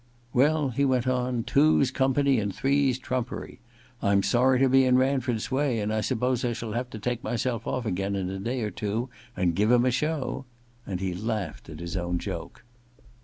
*Well,' he went on, * two's company and three's trumpery ; I'm sorry to be in Ranford's way, and I suppose I shall have to take myself off again in a day or two and give him a show.' And he laughed at his own joke.